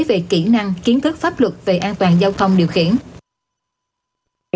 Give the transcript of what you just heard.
về kỹ năng kiến thức pháp luật về an toàn giao thông điều khiển